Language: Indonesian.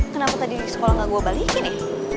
kenapa tadi di sekolah gak gue balikin ya